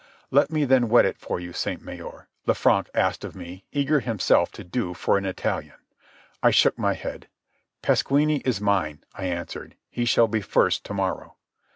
"Let me then wet it for you, Sainte Maure," Lanfranc asked of me, eager himself to do for an Italian. I shook my head. "Pasquini is mine," I answered. "He shall be first to morrow."